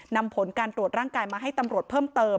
นำผลการตรวจร่างกายมาให้ตำรวจเพิ่มเติม